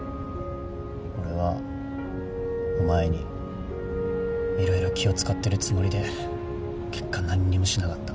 俺はお前に色々気を使ってるつもりで結果何にもしなかった。